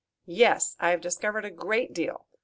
"Yes, I have discovered a great deal.